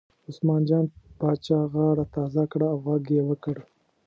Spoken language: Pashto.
عثمان جان پاچا غاړه تازه کړه او غږ یې وکړ.